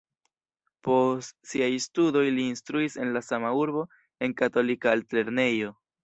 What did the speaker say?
Post siaj studoj li instruis en la sama urbo en katolika altlernejo.